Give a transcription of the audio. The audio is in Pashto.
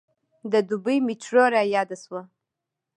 د دبۍ میټرو رایاده شوه.